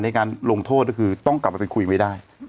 ในการลงโทษคือต้องกลับไปเป็นครูอีกไม่ได้